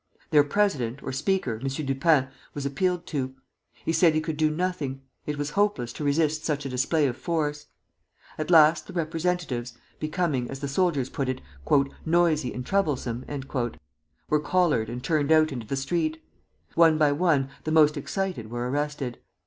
Their president, or Speaker, M. Dupin, was appealed to. He said he could do nothing; it was hopeless to resist such a display of force. At last the representatives, becoming, as the soldiers put it, "noisy and troublesome," were collared and turned out into the street. One by one the most excited were arrested.